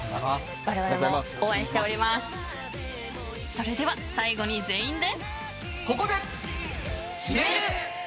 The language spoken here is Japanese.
それでは最後に全員で。